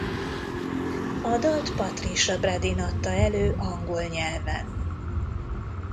A dalt Patricia Bredin adta elő angol nyelven.